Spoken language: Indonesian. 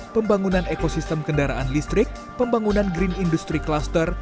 pembangunan ekosistem kendaraan listrik pembangunan green industry cluster